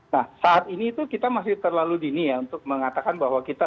nah saat ini kita masih terlalu dinia untuk mengatakan bahwa ini belum apa apa